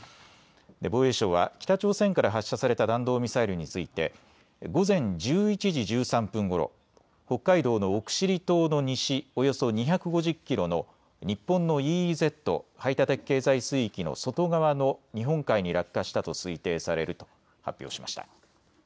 防衛省は北朝鮮から発射された弾道ミサイルについて午前１１時１３分ごろ、北海道の奥尻島の西およそ２５０キロの日本のＥＥＺ・排他的経済水域の外側の日本海に落下したと推定されると発表しました。